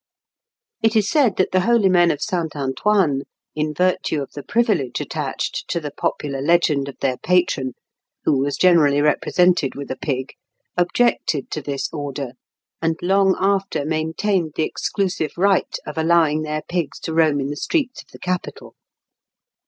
It is said that the holy men of St. Antoine, in virtue of the privilege attached to the popular legend of their patron, who was generally represented with a pig, objected to this order, and long after maintained the exclusive right of allowing their pigs to roam in the streets of the capital.